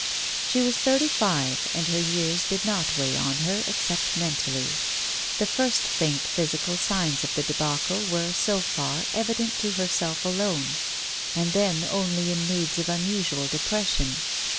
She was thirty five, and her years did not weigh on her, except mentally. The first faint physical signs of the debacle were, so far, evident to herself alone, and then only in moods of unusual depression.